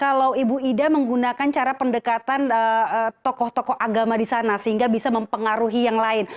kalau ibu ida menggunakan cara pendekatan tokoh tokoh agama di sana sehingga bisa mempengaruhi yang lain